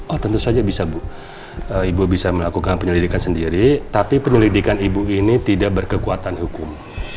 oh tentu saja bisa ibu bisa melakukan penyelidikan sendiri tapi penyelidikan ibu ini tidak berkekuatan hukum